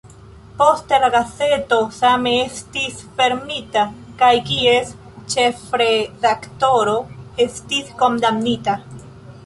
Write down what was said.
Poste la gazeto same estis fermita, kaj kies ĉefredaktoro estis kondamnita.